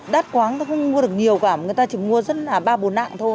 đắt quá không mua được nhiều cả người ta chỉ mua ba bốn lần